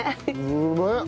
うめえ！